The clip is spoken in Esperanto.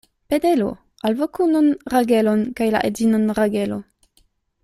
Pedelo, alvoku nun Ragelon kaj la edzinon Ragelo.